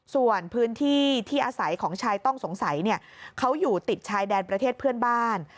ส่วนพื้นที่ที่อาศัยของชายต้องสงสัยเขาอยู่ติดชายแดนประเทศเพื่อนบ้าน